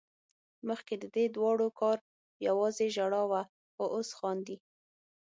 مخکې به ددې دواړو کار يوازې ژړا وه خو اوس خاندي